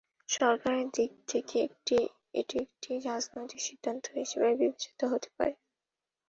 সরকারের দিক থেকে এটি একটি রাজনৈতিক সিদ্ধান্ত হিসেবে বিবেচিত হতে পারে।